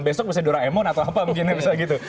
besok bisa duraemon atau apa mungkin bisa gitu